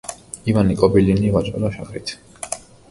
ივანე კობილინი ვაჭრობდა შაქრით.